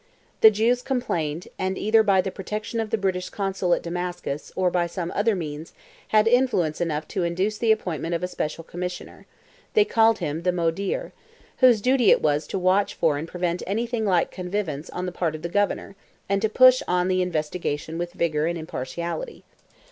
The Jews complained, and either by the protection of the British consul at Damascus, or by some other means, had influence enough to induce the appointment of a special commissioner—they called him "the Modeer"—whose duty it was to watch for and prevent anything like connivance on the part of the Governor, and to push on the investigation with vigour and impartiality.